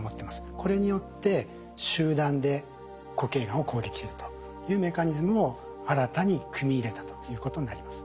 これによって集団で固形がんを攻撃するというメカニズムを新たに組み入れたということになります。